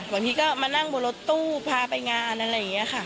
บางทีก็มานั่งบนรถตู้พาไปงานอะไรอย่างนี้ค่ะ